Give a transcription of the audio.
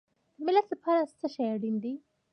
د ملت لپاره څه شی اړین دی؟